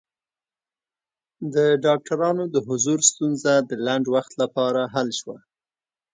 د ډاکټرانو د حضور ستونزه د لنډ وخت لپاره حل شوه.